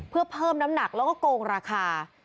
เพื่อเพิ่มน้ำหนักแล้วก็โกงราคา